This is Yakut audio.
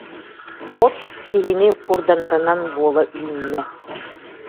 От киһини курданарынан буола үүннэ.